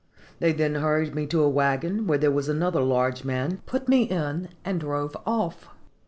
They then hurried me to a wagon, where there was another large man, put me in, and drove off.